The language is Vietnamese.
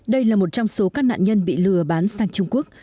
đây là một trong số các nạn nhân bị lừa bán sang trung quốc